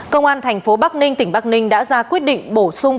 công an thành phố bắc ninh tỉnh bắc ninh đã ra quyết định bổ sung